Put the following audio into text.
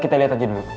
kita lihat aja dulu